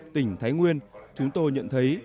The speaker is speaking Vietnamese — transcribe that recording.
tỉnh thái nguyên chúng tôi nhận thấy